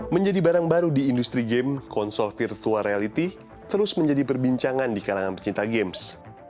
menjadi barang baru di industri game konsol virtual reality terus menjadi perbincangan di kalangan pecinta games